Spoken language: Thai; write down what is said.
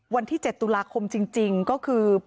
วันที่๗ตุลาคมจริงก็คือ